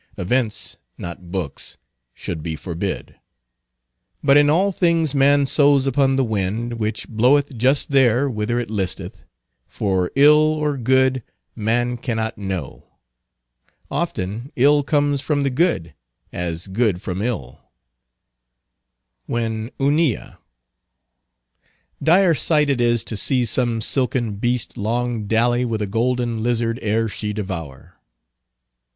Events, not books, should be forbid. But in all things man sows upon the wind, which bloweth just there whither it listeth; for ill or good, man cannot know. Often ill comes from the good, as good from ill. When Hunilla— Dire sight it is to see some silken beast long dally with a golden lizard ere she devour.